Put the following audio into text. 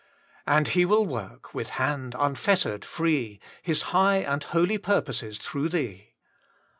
And He will work with hand unfettered, fre^ flia high and hdlj porposes through thee.